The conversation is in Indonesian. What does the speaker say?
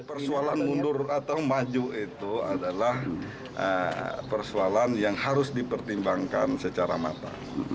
persoalan mundur atau maju itu adalah persoalan yang harus dipertimbangkan secara mata